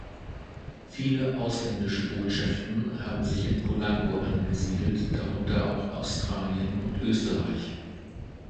Viele ausländische Botschaften haben sich in Polanco angesiedelt, darunter Australien und Österreich.